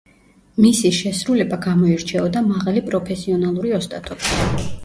მისი შესრულება გამოირჩეოდა მაღალი პროფესიონალური ოსტატობით.